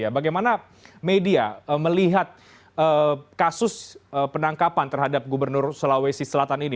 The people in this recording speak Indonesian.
bagaimana media melihat kasus penangkapan terhadap gubernur sulawesi selatan ini